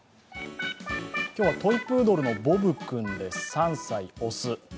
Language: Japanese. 今日はトイプードルのボブ君です、３歳、雄。